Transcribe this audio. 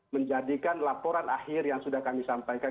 menjadikan laporan akhir yang sudah kami sampaikan